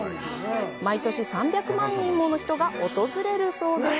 毎年３００万人もの人が訪れるそうです。